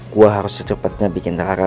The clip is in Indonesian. gua harus secepatnya bikin rara